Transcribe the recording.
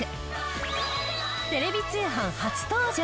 テレビ通販初登場！